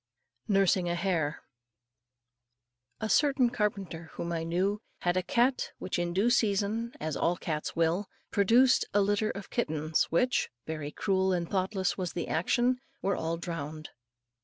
NURSING A HARE. A certain carpenter whom I knew had a cat which in due season, as all cats will, produced a litter of kittens which very cruel and thoughtless was the action were all drowned.